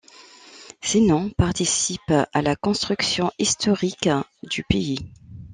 Ces noms participent à la construction historique du pays.